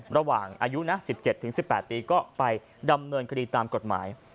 ระหว่างอายุนะ๑๗๑๘ปีก็ไปดำเนินคดีตามกฎหมาย